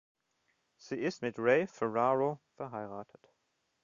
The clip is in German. Sie ist mit Ray Ferraro verheiratet.